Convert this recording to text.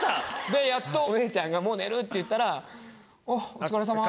でやっとお姉ちゃんが「もう寝る」って言ったら「お疲れさま」。